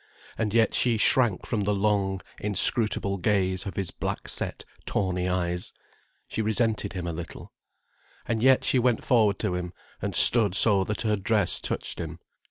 And yet she shrank from the long, inscrutable gaze of his black set, tawny eyes. She resented him a little. And yet she went forward to him and stood so that her dress touched him.